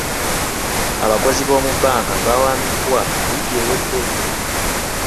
Abakozi b'omu bbanka bawambibwa wiiki ewedde